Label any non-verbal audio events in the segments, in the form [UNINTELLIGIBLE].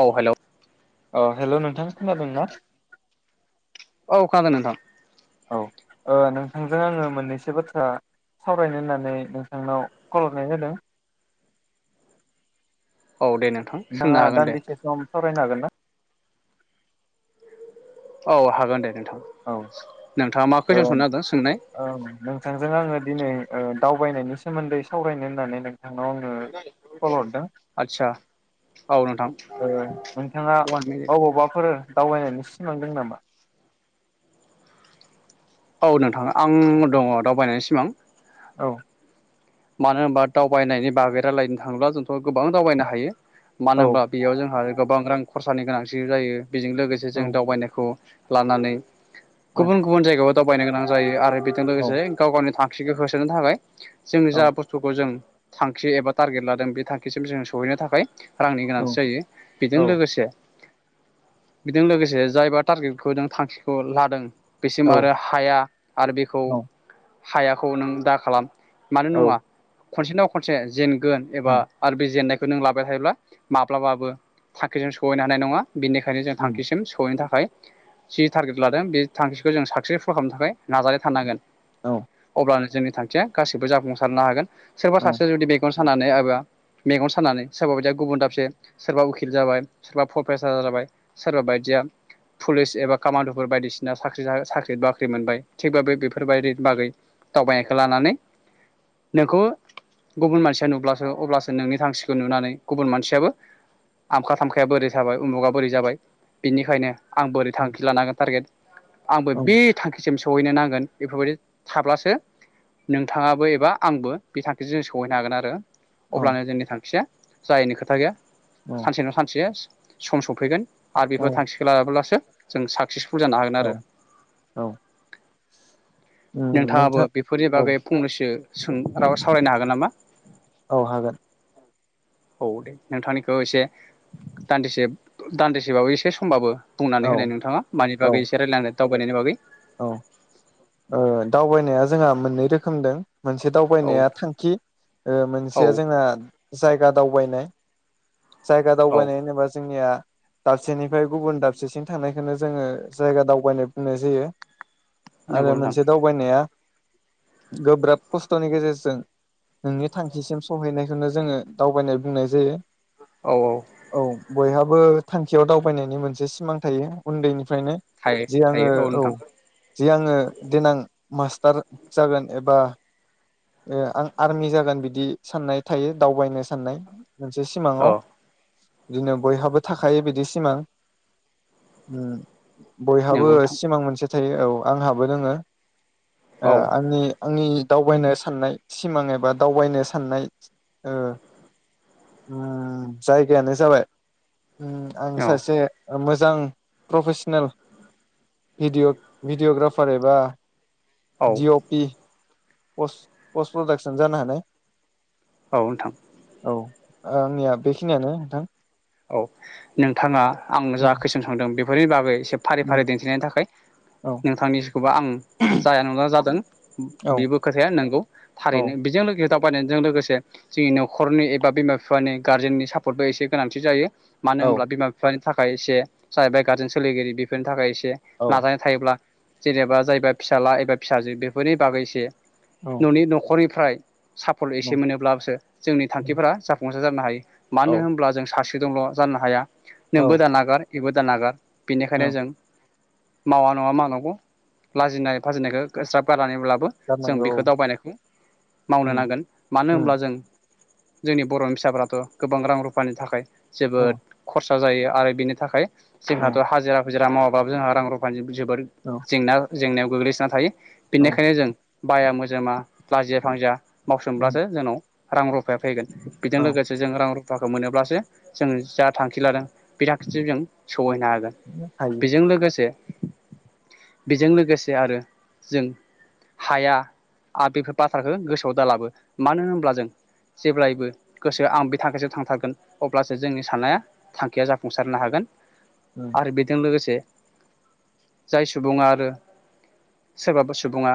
औ हेलौ अ हेल' नोंथां खोनादों ना? औ खोनादों नोंथां। औ ओ नोंथांजों आङो मोननैसो बाथ्रा सावरायनो होननानै नोंथांनाव कल हरनाय जादों। औ दे नोंथां सोंनो हागोन दे। वरायनो हागोन ना? औ हागोन दे नों औ औ नागिरदों सोंनाय ओ नोंथांजों आङो दिनै ओ दावबायनायनि सोमोन्दै सावरायनो होननानै नों नोंनाव आंङो कल हरदों आदसा औ नोंथां ओ नोंथाङा वान मिनिट अबावबाफोर दावबायनायनि सिमां दों नामा? औ नोंथां आं दङ दावबायनायनि सिमां। औ मानो होनबा दावबायनायनि बागै रालायनो थाङोब्ला जोंथ' गोबां दावबायनो हायो। औ मानो होनबा बेयाव जोंहा गोबां रां खरसानि गोनांथि जायो। बेजों लोगोसे औ जों दावबायनायखौ लानानै औ गुबुन गुबुन जायगायाव। दावबायनो गोनां जायो आरो बेजों औ लोगोसे गाव गावनि था खिखो होसोनो थाखाय जों औ जा बुस्थुखौ जों थांखि एबा टारगेट लादों बे थांखिसिम जों सहैनो थाखाय रांनि औ गोनांथि जायो बेजों लोगोसे बेदों लोगोसे जायबा टारगेटखौ जों थांखिखौ लादों। औ बेसिम आरो हाया आरो बेखौ हायाखौ नों दा खालाम मानो औ नङा खनसेनाव खनसे जेन गोन एबा आरो बे जेननायखौ नों लाबाय थायोब्ला माब्लाबाबो थांखिजों सहैनो हानाय नङा। बिनिखायनो जों थांखिसिम सहैनो थाखाय जि टारगेट लादों बे थांखिखौ जों साक्सेफुल खालामनो थाखाय नाजानाय थानांगोन अब्लानो जोंनि थांखि गासैबो जाफुंसारनो हागोन। सोरबा सासे जुदि मेगन सानानै एबा मेगन सानानै सोरबा बायदिया गुबुन दाबसे सोरबा उखिल जाबाय सोरबा प्रफेसार जाबाय सोरबा बायदिया पुलिस एबा कामान्ड'फोर बायदिसिना साख्रि साख्रि बाख्रि मोनबाय थिगबा बे बेफोरबायदि बागै दावबायनायखौ लानानै नोंखौ गुबुन मानसिया नुब्लासो अब्लासो नोंनि थांखिखौ नुनानै गुबुन मानसियाबो आमखा थामखाया बोरै जाबाय उमुगा बोरै जाबाय बिनिखायनो आं बोरै थांखि लानांगोन टारगेट आंबो बे थांखिसिम सहैनो नांगोन बेफोरबायदि थाब्लासो नों थाङाबो एबा आंबो बिथांखिजों जों सहैनो हागोन आरो। अब्लानो जोंनि थांखिया जायिनि खोथा गैया। औ सानसे नङा सानसे सम सफैगोन आरो औ बेफोर थांखिखौ लाब्लासो जों साक सेसपुल जानो हागोन औ आरो। औ उम नोंथाङाबो नोंथां बेफोरनि औ बागै फंनैसो सों राव सावरायनो हागोन नामा? औ हागोन। औ दे नोंथांनिखौ एसे दान्दिसे दान्दिसेबाबो एसे समबाबो औ बुंनानै होनाय नोंथाङा मानि औ बागै एसे रायलायनांगोन दावबायनायनि बागै औ ओ दावबायनाया जोंहा मोननै रोखोम दों। मोनसे औ दावबायनाया नोंथां थांखि ओ औ मोनसेया जोंना जायगा दावबायनाय जायगा औ दावबायनाय होनोबा जोंनिया दाबसेनिफ्राय गुबुन दाबसेसिम थानायखौनो जोङो जायगा दावबायनो बुंनाय जायो। नंगौ आरो नोंथां मोनसे दावबायनाया गोब्राब खस्थ'नि गेजेरजों नोंनि थांखिसिम सहैनायखौनो जोङो दावबायनाय बुंनाय जायो। औ औ बयहाबो थांखियाव दावबायनायनि मोनसे सिमां थायो उन्दैनि फ्रायनो थायो जे आङो थायो औ नोंथां जे आङो देनां मास्टार जागोन एबा आं आर्मि जागोन बिदि साननाय थायो दावबायनो साननाय मोनसे सिमाङाव औ बिदिनो बयहाबो थाखायो बिदि सिमां बयहाबो नंगौ नोंथां सिमां मोनसे जेरै औ आंहाबो दोङो ओ औ आंनि आंनि दावबायनो साननाय सिमां एबा दावबायनो साननाय ओ ओ जायगायानो जाबाय उम आं औ सासे ओ मोज मोजां प्रफेसनेल भिडय' भिडिय'ग्राफार एबा औ जिअपि पस्ट पस्ट प्रदाक्सन जानो हानाय औ नोंथां। ओ आंनिया बेखिनियानो नोंथां। औ नोंथाङा आं जा उम खैसोन होदों बेफ बेनि बागै एसे फारि फारि उम दिन्थिनायनि थाखाय औ नोंथांनिखौबा आं जाया नङा जादों औ बेबो खोथाया नोंगौ थारैनो औ बेजों लोगोस दावबायनायजों लोगोसे जोंनि न'खरनि एबा बिमा बिफानि गारजेननि सापर्टबो एसे गोनां थि जायो। मानो औ होनब्ला बिमा बिफानि थाखाय एसे जाहैबाय गारजेन सोलिगिरि बेफोरनि थाखाय एसे नाजानाय थायोब्ला जेनेबा जायबा फिसाला एबा फिसाजो बेफोरनि बागैसो औ न'नि न'खरनिब फ्राय साफल एसे मोनोब्लासो जोंनि थांखिफोरा जाफुं ओ जान्नो हाय मानो औ होमब्ला जोंस सासे दंल' जान्नो हाया। नोंबो औ दा नागार थिबो दा नागार बेनिखायनो औ जों मावा नङा मावनांगौ लाजिनाय फाजिनायखौ ओ ज्राब गारनानै अब्लाबो जों गारनांगौ बेखौ औ दावबायनायखौ मावनो उम नांगोन मानो होनब्ला उम जों जोंनि बर'नि फिसाफ्राथ' गोबां रां रुफानि थाखाय औ जोबोद खरस ओ जायो आरो बिनि थाखाय औ जोंहाथ' हाजो आग हाजिरा मावाबाबो जोंहा रां रुफानि जोबोर औ जेंना जेंनायाव गोग्लैसोना थायो। औ बेनिखायनो जों बाया मोजोमा लाजिया फांजिया उम मावसोमब्लासो जोंनाव रां रुफाया फैगोन। बेजों औ लोगोसे जों रां रु सुफाखौ मोनोब्लासो जों जा थांखि लादों बेराथिजों सहैनो हागोन हायो बेजों लोगोसे बेजों लोगोसे आरो जों हाया आ बेफोर बाथ्राखौ गोसोआव दालाबो मानो होब्ला जों जेब्लायबो गोसो आं बे थाखोजोंयाव थांथारगोन। अब्लासो जोंनि साननाया थांखिया जाफुंसारनो हागोन। उम आरो बेजों लोगोसे जाय सुबुङा आरो सोरबाफोर सुबुंङा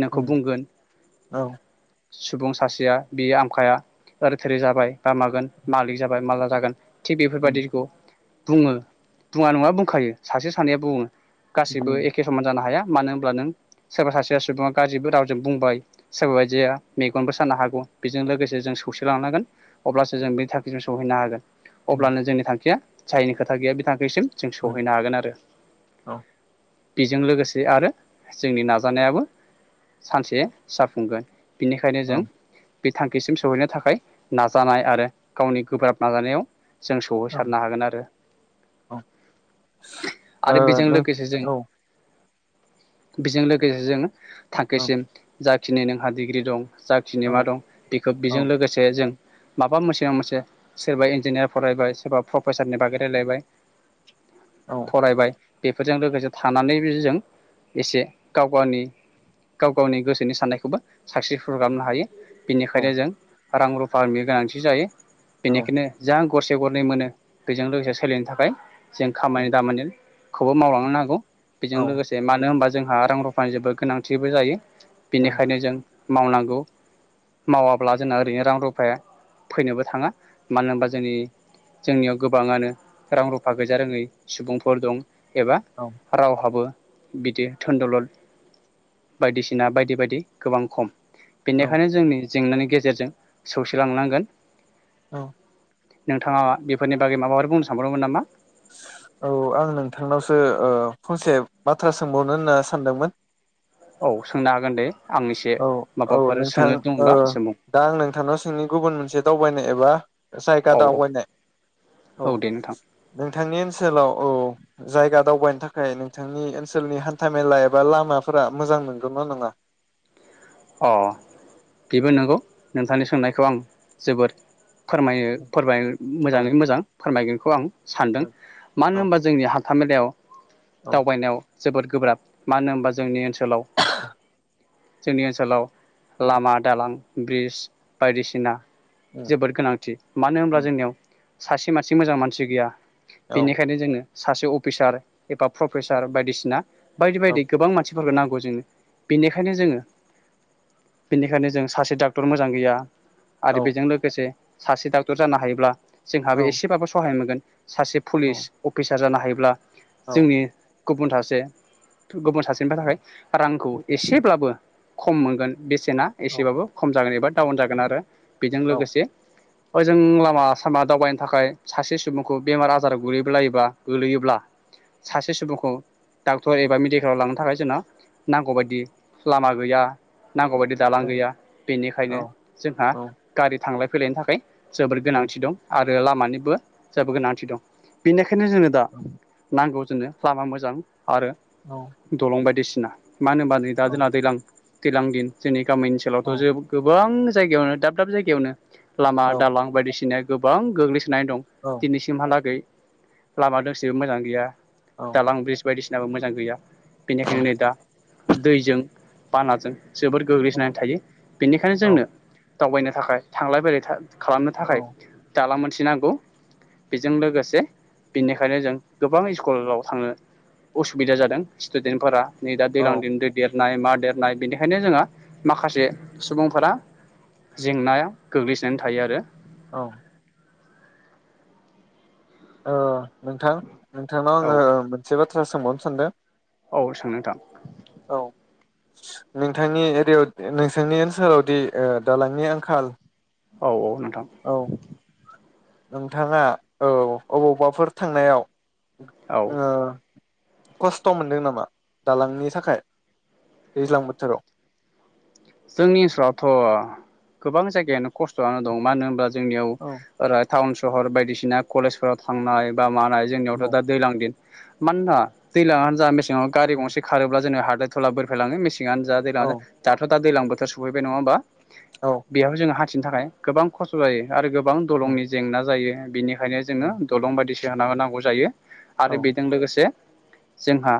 नोंखौ उम बुंगोन औ सुबुं सासेया बेयो आमखाया ओरै थोरै जाबाय बा मागोन उम मालिक जाबाय माला जागोन थिग उम बेफोरबादिखौ बुङो बुङा नङा बुंखायो सासे सानैया बुङो गासिबो उम एखे समान जानो हाया मानो होनोमब्ला नों सोरबा सासेया सुबुङा गाज्रिबो रावजों बुंबाय सोरबा बायदिया मेगनबो सानो हागौ बेजों लोगोसे जों सौसिलांनांगोन अब्लासो जों बेनि थाखाय दिनो सहैनो हागोन अब्लानो जोंनि थांखिया जायिनि खोथा गैया बिथांखिसिम जों उम सहैनो हागोन आरो औ बेजों लोगोसे आरो जोंनि नाजानायाबो सानसे जाफुंगोन बिनिखायनो औ जों बे थांखिसिम सहैनो थाखाय नाजानाय आरो गावनि गोब्राब नाजानायाव जों सहोसारनो हागोन आरो औ ओ आरो बेजों नों लोगोसे जों औ बेजों लोगोसे जोङो औ थांखिसिम जाखिनि नोंहा डिग्रि दं जाखिनि औ मा दं बेखौ औ बेजों लोगोसे जों माबा मोनसे माबा मोनसे सोरबा इन्जिनियार फरायबाय सोरबा प्रफेसारनि बागै रायलायबाय। औ फरायबाय बेफोरजों लोगोसे थानानैबो जों एसे गाव गावनि गाव गावनि गोसोनि साननायखौबो साक्सेसफुल खालामनो हायो। औ बेनिखायनो जों रां रुफानि गोनांथि जायो। बेनिखायनो जा गरसे गरनै मोनो बेजों लोगोसे सोलिनो थाखाय जों खामानि दामानि खौबो मावलांनो नांगौ बेजों लोगोसे मानो होनबा जोंहा रां रुफानि जोबोद गोनांथिबो जायो बेनिखायनो जों मावनांगौ मावाब्ला जोंना ओरैनो रां रुफाया फैनोबो थाङा मानो होनबा जोंनि जोंनियाव गोबाङानो रां रुफा गैजा रोङै सुबुंफोर दं। एबा औ रावहाबो बिदि दोन दौलद बायदिसिना बायदि बायदि गोबां खम औ बेनिखायनो जोंनि जेंनानि गेजेरजों सौसिलांनांगोन औ । नोंथाङा बेफोरनि बागै माबाफोर बुंनो सानबावदोंमोन नामा? औ आं नोंथांनावसो ओ फंसे बाथ्रा सोंबावनो होनना सानदोंमोन। औ सोंनो हागोन दे। आं एसे औ औ माबाफोर नोंथां सोंनो ओ दंबा सोंबाव दा आं नोंथांनाव सोंनि गुबुन मोनसे दावबायनाय एबा जायगा औ औ दावबायनाय औ दे नोंथां नोंथांनि ओनसोलाव औ जायगा दावबायनो थाखाय नोंथांनि ओनसोलनि हान्थामेला एबा लामाफोरा मोजां नंगौ ना नङा? अ बेबो नंगौ नोंथांनि सोंनायखौ आं जोबोर फोरमायो फोरमाय औ मोजाङै मोजां फोरमायगोन बे खौ आं सानदों औ मानो औ होनबा जोंनि हाब हान्थामेलायाव दावबायनायाव जोबोद गोब्राब मानो होनबा जोंनि ओनसोल सोलाव। जोंनिया सलाव औ लामा दालां। ब्रिज बायदिसिना। जोबोद गोनांथि। मानो होनब्ला जोंनियाव सासे मानसि मोजां मानसि गैया। औ बेनिखायनो जोङो सासे अफिसार एबा प्रफेसार बायदिसिना बायदि बायदि गोबां मानसि फोरखौ नांगौ जोंनो। बेनिखायनो जोङो बेनिखायनो जों सासे डाक्टर मोजां गैया। औ आरो बेजों लोगोसे सासे डाक्टर जानो हायोब्ला औ जोंहाबो एसेबाबो सहाय मोनगोन। सासे पुलिस अफिसार जानो हायो अब्ला जोंनि गुबुन सासे। गुबुन सासेनिफ्राय थाखाय रांखौ एसेब्लाबो खम मोनगोन। बेसेना औ एसेबाबो खम जागोन एबा टाउन जागोन आरो। बेजों औ लोगोसे ओजों लामा सामा दावबायनो थाखाय सासे सुबुंखौ बेमार आजाराव गोगलैलायोबा डाक्टर एबा मेडिकेलाव लांनो थाखाय जोंनो नांगौबायदि लामा गैया। नांगौ बायदि दालां गैया बेनिखायनो जोंहा गारि थांलाय फैलायनो थाखाय जोबोर गोनांथि दं आर ओ लामानिबो जबो गोनांथि दं। बेनिख बेखायनो जोंङो दा नांगौ जोंनो लामा मोजां आरो दलं बायदिसिना। ना। मानो होनबा नै दा जोंला दैलां। दैलां दिन जोंनि गामि ओनसोलावथ' जे गोबां जायगायावनो दाब दाब जायगायावनो । लामा दालां बायदिसिनो गोबां गोग्लैसो नाय दं औ दिनैसिमहालागै लामा दोंसेबो मोजां गैया । औ दालां ब्रिज बायदिसि जेबो मोजां गैया औ बेनिखायनो नै दा दैजों बानाजों जोबोर औ गोग्लैसोनानै थायो बेनिखायनो औ जोंनो दावबायनो थाखाय थांलाय फैलाय था खालामनो थाखाय औ दालां मोनसे नांगौ बेजों लोगोसे बेनिखायनो जों गोबां स्कुलाव थांनो उसुबिदा जादों स्टुडेन्टफोरा । नै दा औ दैलां दिन दै देर नाय मा देर नाय बेनिखायनो जोंहा माखासे सुबुंफोरा जेंनाया गोग्लैसोनानै थायो आरो औ ओ नोंथां, नोंथांनाव औ आङो मोनसे बाथ बाथ्रा सोंबावनो सानदों । औ सों नोंथां औ नोंथांनि एरियायाव नोंसानि ओनसोलावदि दालांनि आंखाल । औ औ नों औ नोंथाङा, औ अबावबाफोर थांनायाव औ । ओ खस्थ' मोनदों नामा दालांनि थाखाय दैज्लां बोथोराव? जोंनि ओनसोलावथ' गोबां जायगायानो खस्थ'आनो दं मानो होनबा जोंनियाव औ [UNINTELLIGIBLE] सहर बायदिसिना कलेजफोराव थांनाय। बा मानाय जोंनियावथ' औ दा दैलां दिन मानोना दैलांआनो जा मेसें जोंनाव गारि गंसे खारोबा जोंनाव हा [UNINTELLIGIBLE] मेसेङानो जा औ दैज्लां जा दा दैलांबोथोर सफैबाय नङा होमबा? औ बेयाव जोङो हा थिनो थाखाय गोबां खस्थ' जायो। आरो गोबां औ दलंनि जेंना जायो। बेनो, बेखायनो जोङो दलं बायदिसि [UNINTELLIGIBLE] नांगौ जायो। औ आरो बेजों लोगोसे। जोंहा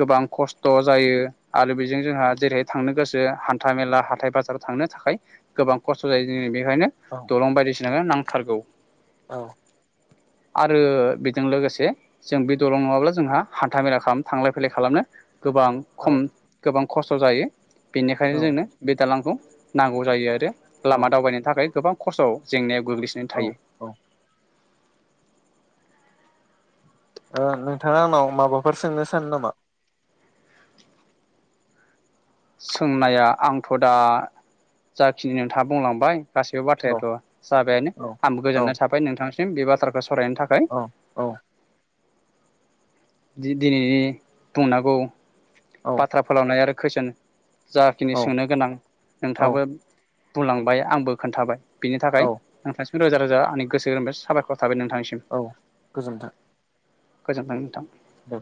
गोबां खस्थ' जायो आरो बेजों जोंहा जेरैहाय थांनो गोसो। हान्था मेला हाथाय बाजाराव थांनो थाखाय गोबां खस्थ' जायो। जों बे बेखायनो औ गोबां बायदिसिना जोंनो नांथारगौ। औ। आरो बेजों लोगोसे जों बे दलं नङाब्ला जोंहा हान्था मेला खालामनो थांलाय फैलाय खालामनो। गोबां खम गोबां खस्थ' जायो। बेनिखायनो जोंनो बे दालांखौ । नांगौ जायो आरो। औ लामा दावबायनो थाखाय गोबां। खस्थ' जेंनायाव । गोग्लैसोनानै थायो। औ ओ नोंथाङा आंनाव माबाफोर सोंनो सानो नामा? सोंनाया आंथ' दा जाखिनि नोंथाङा बुंलांबाय गासैबो औ बाथ्रायाथ' जाबायानो औ आंबो औ गोजोननाय थाबाय नोंथांस म बे बाथ्राखौ सावरायनायनि थाखाय। औ औ दिनैनि बुंनांगौ औ बाथ्रा फोलावनाय आरो कुइसन जाखिनि औ सोंनो गोनां औ नोंथाङाबो बुंलांबाय आंबो खोन्थाबाय। बिनि थाखाय औ [UNINTELLIGIBLE] रोजा रोजा आंनि गोसो गोरोबोनिफ्राय साबायखर थाबाय औ गोजोन्थों। गोजोनथों नोंथां। औ।